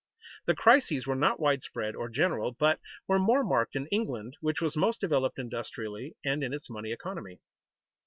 The crises were not widespread or general, but were more marked in England, which was most developed industrially and in its money economy.